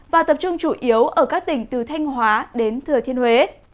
và tập trung chủ yếu ở các tỉnh từ thanh hóa đến thừa thiên huế